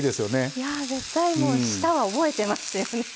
いやぁ絶対もう舌は覚えてますよね。